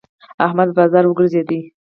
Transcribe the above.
احمد په بازار وګرځېد.